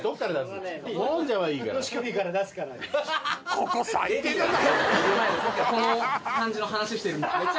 ここ最低だな！